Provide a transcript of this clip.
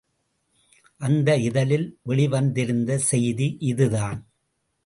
அந்த இதழில் வெளிவந்திருந்த செய்தி இதுதான்.